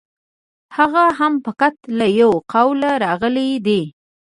هغه هم فقط له یوه قوله راغلی دی.